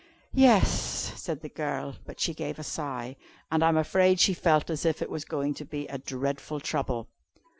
"'Yes,' said the girl, but she gave a sigh, and I am afraid she felt as if it was going to be a dreadful trouble.